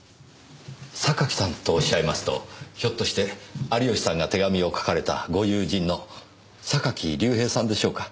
榊さんとおっしゃいますとひょっとして有吉さんが手紙を書かれたご友人の榊隆平さんでしょうか？